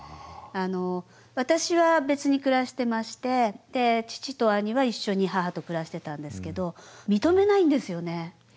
私は別に暮らしてましてで父と兄は一緒に母と暮らしてたんですけど認めないんですよね。